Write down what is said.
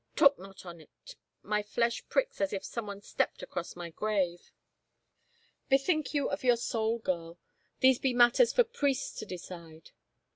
Talk not on't, my flesh pricks as if someone stepped across my grave. Bethink you of your soul, girl. These be matters for priests to decide."